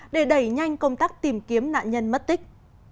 để đẩy nhanh công tác tìm kiếm nạn nhân mất tích